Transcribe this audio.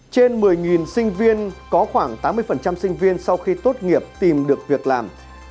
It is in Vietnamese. trên một mươi sinh viên có khoảng tám mươi sinh viên sau khi tốt nghiệp tìm được việc làm